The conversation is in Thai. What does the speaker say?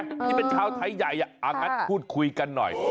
ที่เป็นชาวไทยใหญ่งั้นพูดคุยกันหน่อย